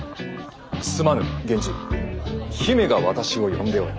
すまぬ源氏姫が私を呼んでおる。